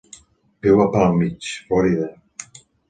Viu a Palm Beach, Florida.